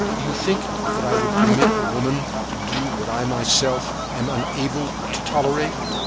Do you think that I would permit a woman to do what I myself am unable to tolerate?